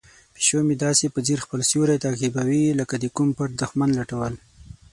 پیشو مې داسې په ځیر خپل سیوری تعقیبوي لکه د کوم پټ دښمن لټول.